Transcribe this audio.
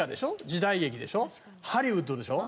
時代劇でしょハリウッドでしょ。